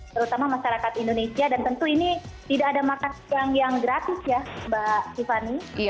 terutama masyarakat indonesia dan tentu ini tidak ada makan siang yang gratis ya mbak tiffany